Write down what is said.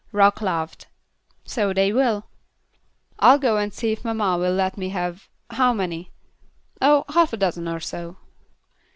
Rock laughed. "So they will." "I'll go and see if mamma will let me have how many?" "Oh, half a dozen or so."